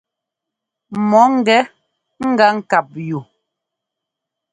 Mɔ ńgɛ gá ŋ́kap yu.